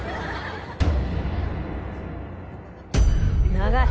長い。